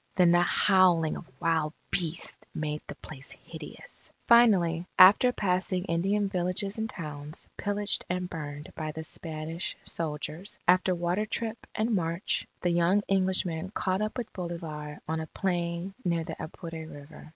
Then the howling of wild beasts made the place hideous. Finally, after passing Indian villages and towns pillaged and burned by the Spanish soldiers, after water trip and march, the young Englishmen caught up with Bolivar on a plain near the Apure River.